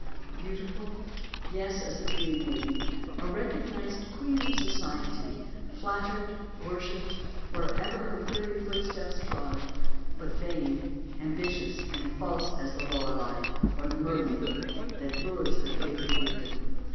Beautiful, yes, as a dream maiden! a recognised queen of society, flattered, worshipped, wherever her fairy footsteps trod; but vain, ambitious and false as the Lorelei, or the mermaiden, that lures the fated victim.